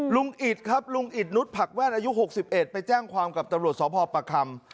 อิตครับลุงอิตนุษยผักแว่นอายุ๖๑ไปแจ้งความกับตำรวจสพประคำ